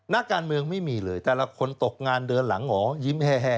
นักการเมืองไม่มีเลยแต่ละคนตกงานเดินหลังหงอยิ้มแห้